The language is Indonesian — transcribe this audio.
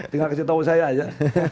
tinggal kasih tahu saya saja